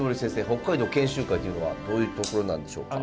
北海道研修会っていうのはどういうところなんでしょうか。